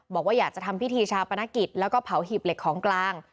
บอกว่าอยากจะทำพิธีชาปนกิจแล้วก็เผาหีบเหล็กของกลาง